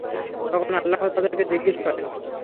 তখন আল্লাহ তাদেরকে জিজ্ঞেস করেন।